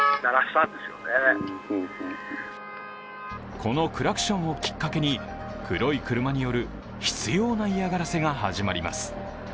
このクラクションをきっかけ黒い車による執ような嫌がらせが始まります。